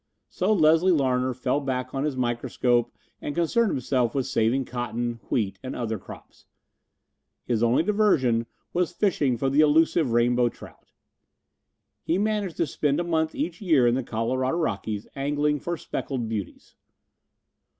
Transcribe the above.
So Leslie Larner fell back on his microscope and concerned himself with saving cotton, wheat and other crops. His only diversion was fishing for the elusive rainbow trout. He managed to spend a month each year in the Colorado Rockies angling for speckled beauties.